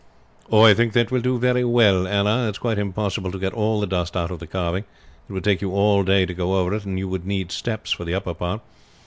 "I think that will do very well, Anna; it is quite impossible to get all the dust out of the carving. It would take you all day to go over it, and you would need steps for the upper part.